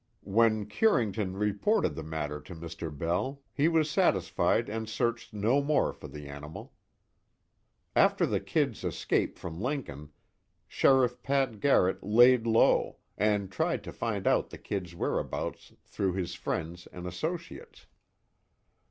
When Curington reported the matter to Mr. Bell, he was satisfied and searched no more for the animal. After the "Kid's" escape from Lincoln, Sheriff Pat Garrett "laid low," and tried to find out the "Kid's" whereabouts through his friends and associates.